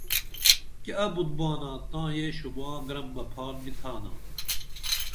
کیہ ابُت بانا تاں یہ شوباں گرم بہ پھار نی تھانا